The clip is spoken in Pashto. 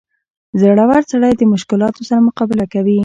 • زړور سړی د مشکلاتو سره مقابله کوي.